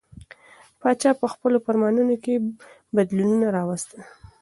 پاچا به په خپلو فرمانونو کې بدلونونه راوستل.